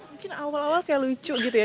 mungkin awal awal kayak lucu gitu ya